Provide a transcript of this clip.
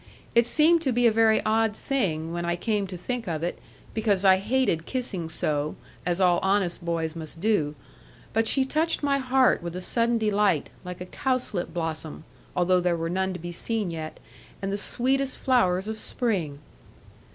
It seemed to be a very odd thing, when I came to think of it, because I hated kissing so, as all honest boys must do. But she touched my heart with a sudden delight, like a cowslip blossom (although there were none to be seen yet), and the sweetest flowers of spring.